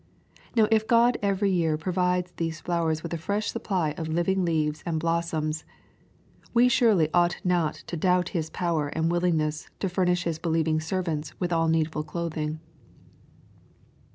Now if God every year provides these flowers with a fresh supply of living leaves and blossoms, we surely ought not to doubt His power and willingness to furnish His believing servants with all needful clothing.